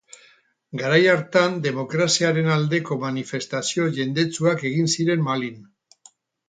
Garai hartan demokraziaren aldeko manifestazio jendetsuak egin ziren Malin.